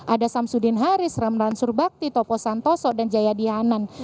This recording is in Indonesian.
ada samsudin haris ramlan surbakti topo santoso dan jaya dianan